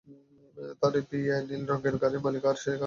তার পিএ নীল রঙের গাড়ির মালিক আর সে কানে হিয়ারিং এইডও পরে।